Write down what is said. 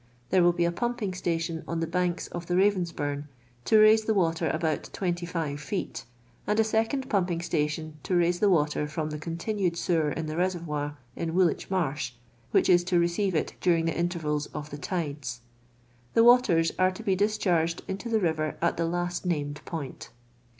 There will Iw a pumping station on th" banks of the Ravensbnurne, to raise the wat r about 25 feet; and a second pumping stati m to raise the water from the con tinurd <»e\ver in the resrvolr, in \Voolwich Marsh, which is to r' ci ivo it during the intervals of the tidca. The waters arc to be discharged into the river at the last named point.